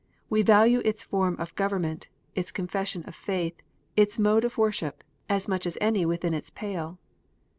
We value its form of government, its Confession of Faith, its mode of wor ship, as much as any within its pale.